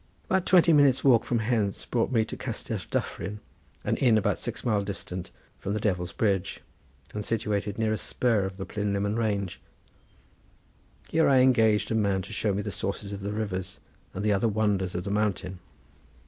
About twenty minutes' walk from hence brought me to Castell Dyffryn, an inn about six miles distant from the Devil's Bridge, and situated near a spur of the Plynlimmon range. Here I engaged a man to show me the sources of the rivers and the other wonders of the mountain.